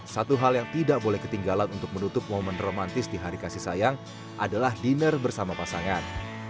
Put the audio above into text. satu hal yang tidak boleh ketinggalan untuk menutup momen romantis di hari kasih sayang adalah dinner bersama pasangan